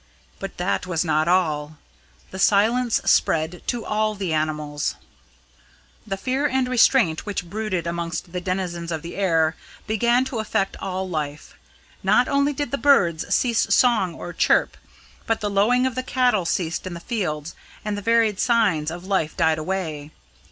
But that was not all. The silence spread to all animals. The fear and restraint which brooded amongst the denizens of the air began to affect all life. Not only did the birds cease song or chirp, but the lowing of the cattle ceased in the fields and the varied sounds of life died away.